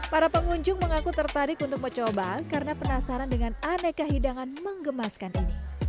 para pengunjung mengaku tertarik untuk mencoba karena penasaran dengan aneka hidangan mengemaskan ini